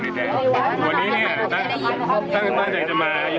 พี่ถามเค้าได้พี่ถามอันด้วยพี่บอกกันได้ไหมปฏิบันทำอะไรไน